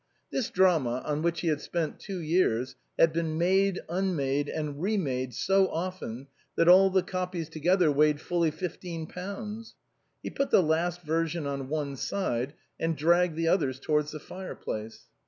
This drama, on which he had spent two years, had been made, unmade, and re made so often that all the copies together weighed fully fifteen pounds. He put the last version on one side, and dragged the others towards the fire place.